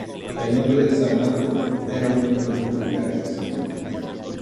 El nombre de "San Mango" era un nombre muy popular en ese momento.